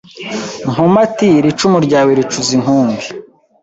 Nkomati iri cumu ryawe ricuze inkumbi